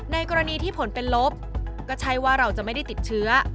กรณีที่ผลเป็นลบก็ใช่ว่าเราจะไม่ได้ติดเชื้อ